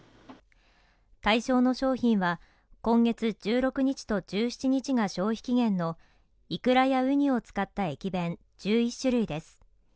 対象の商品は今月１６日と１７日が消費期限のイクラやウニを使った駅弁１１種類です